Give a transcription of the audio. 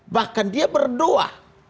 bahkan dia berdoa